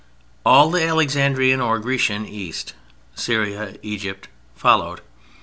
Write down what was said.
All the Alexandrian or Grecian East—Syria, Egypt—followed.